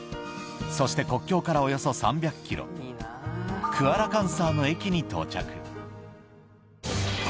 そして国境からおよそ３００ｋｍクアラカンサーの駅に到着